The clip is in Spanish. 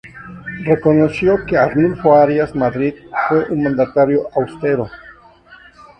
Reconoció que Arnulfo Arias Madrid, fue un mandatario austero.